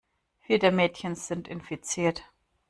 Vier der Mädchen sind infiziert.